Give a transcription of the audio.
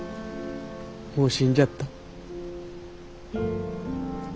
もう死んじゃった。